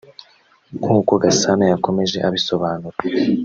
nk’uko Gasana yakomeje abisobanura